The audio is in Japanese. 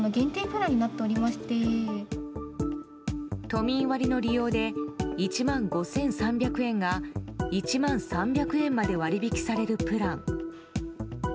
都民割の利用で１万５３００円が１万３００円まで割引されるプラン。